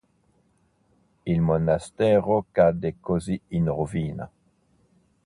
Il monastero cadde così in rovina.